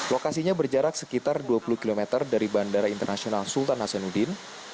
lokasinya berjarak sekitar dua puluh km dari bandara internasional sultan hasanuddin